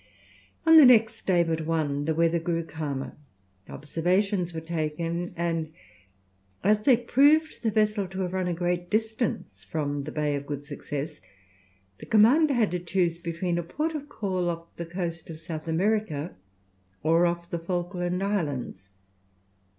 On the next day but one the weather grew calmer; observations were taken, and as they proved the vessel to have run a great distance from the Bay of Good Success, the commander had to choose between a detention off the coast of South America, or off the Falkland Islands.